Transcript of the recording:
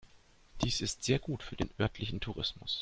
Dies ist sehr gut für den örtlichen Tourismus.